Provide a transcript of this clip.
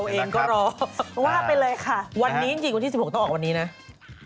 วันนี้จริงวันที่๑๖ต้องออกวันนี้นะ